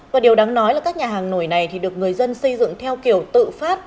và điều đáng nói là các nhà hàng nổi này được người dân xây dựng theo kiểu tự phát